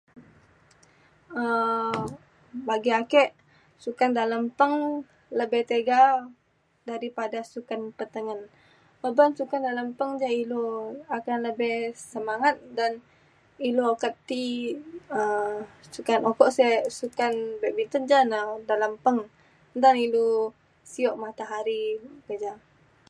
um bagi ake sukan dalem peng lebih tiga daripada sukan petengen. uban sukan alem peng ja ilu akan lebih bersemangat dan ilu akan ti um sukan okok se sukan badminton ja na dalam peng. nta ilu sio matahari ti ja.